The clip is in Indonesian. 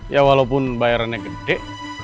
ya walaupun bayarannya gede